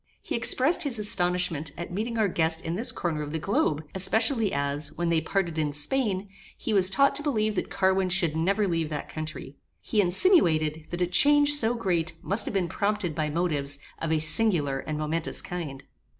He expressed his astonishment at meeting our guest in this corner of the globe, especially as, when they parted in Spain, he was taught to believe that Carwin should never leave that country. He insinuated, that a change so great must have been prompted by motives of a singular and momentous kind.